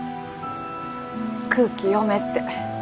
空気読めって。